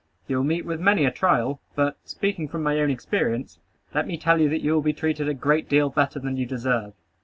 You will meet with many a trial; but, speaking from my own experience, let me tell you that you will be treated a great deal better than you deserve.